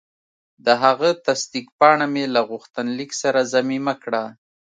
د هغه تصدیق پاڼه مې له غوښتنلیک سره ضمیمه کړه.